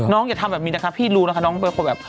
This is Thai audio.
อย่าทำแบบนี้นะคะพี่รู้นะคะน้องเป็นคนแบบ